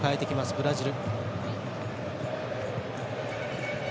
ブラジル。